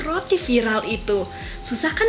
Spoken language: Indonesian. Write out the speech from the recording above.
roti viral itu susah kan